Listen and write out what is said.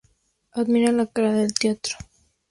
Admiran la cara del retrato.